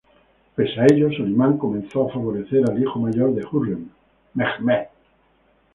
Pese a ello, Solimán comenzó a favorecer al hijo mayor de Hürrem, Mehmed.